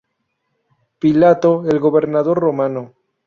Pilato, el gobernador romano.